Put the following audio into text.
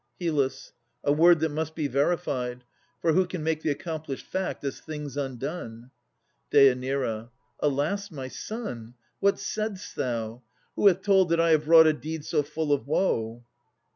HYL. A word that must be verified. For who Can make the accomplished fact as things undone? DÊ. Alas, my son! what saidst thou? Who hath told That I have wrought a deed so full of woe?